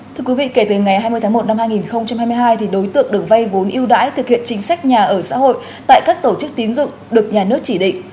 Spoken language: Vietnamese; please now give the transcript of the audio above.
thưa quý vị kể từ ngày hai mươi tháng một năm hai nghìn hai mươi hai đối tượng được vay vốn yêu đãi thực hiện chính sách nhà ở xã hội tại các tổ chức tín dụng được nhà nước chỉ định